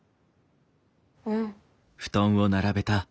うん。